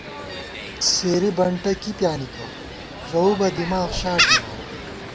سېری بنٹہ کی پیانِکہ، ژَؤ بہ دِماغ شاٹ بِمان